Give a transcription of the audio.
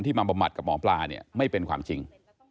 มาบำบัดกับหมอปลาเนี่ยไม่เป็นความจริง